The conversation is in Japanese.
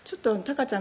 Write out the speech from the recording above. かちゃん